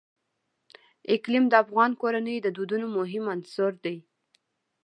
اقلیم د افغان کورنیو د دودونو مهم عنصر دی.